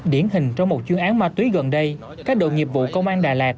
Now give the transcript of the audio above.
điển hình trong một chuyên án ma túy gần đây các đội nghiệp vụ công an đà lạt